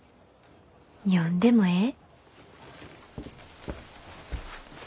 読んでもええ？